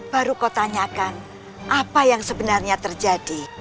baru kau tanyakan apa yang sebenarnya terjadi